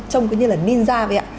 trông cứ như là ninja vậy ạ